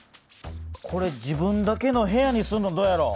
これ自分だけの部屋にするのどうやろう？